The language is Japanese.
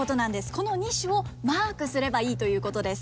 この２首をマークすればいいということです。